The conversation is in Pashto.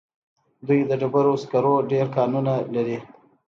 دوی د ډبرو سکرو ډېر کانونه لري.